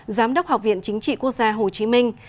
giám đốc học viện chính trị quốc gia hồ chí minh